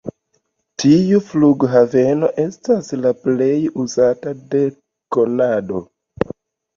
Tiu flughaveno estas la plej uzata de Kanado.